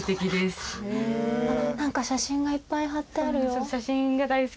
何か写真がいっぱい張ってあるよ。